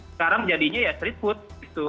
sekarang jadinya ya street food gitu